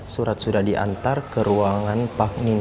surat sudah diantar ke ruangan pak